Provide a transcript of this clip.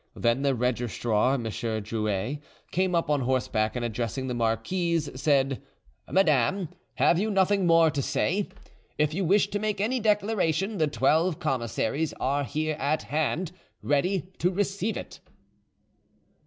Then the registrar M. Drouet, came up on horseback, and, addressing the marquise, said, "Madame, have you nothing more to say? If you wish to make any declaration, the twelve commissaries are here at hand, ready to receive it."